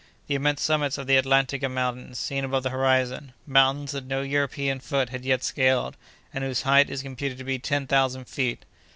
The immense summits of the Atlantika Mountains seen above the horizon—mountains that no European foot had yet scaled, and whose height is computed to be ten thousand feet!